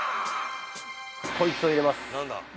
◆こいつを入れます。